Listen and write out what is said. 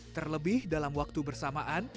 terlebih dalam waktu bersamaan